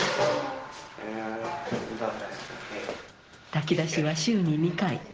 炊き出しは週に２回。